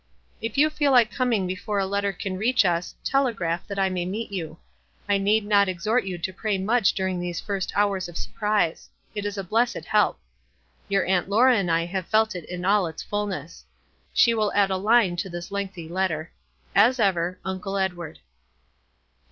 If you feel like coming before a letter can reach us, telegraph, that I may meet you. I need not exhort you to pray much during these first hours of surprise. It is a blessed help. Your Aunt Laura and I have felt it in all its fullness. Sho will add a line to this lengthy letter. "As ever, Uncle Edward."